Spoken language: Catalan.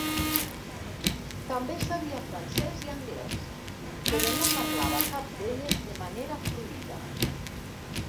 També sabia francès i anglès, però no parlava cap d'elles de manera fluida.